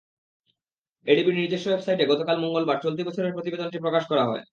এডিবির নিজস্ব ওয়েবসাইটে গতকাল মঙ্গলবার চলতি বছরের প্রতিবেদনটি প্রকাশ করা হয়।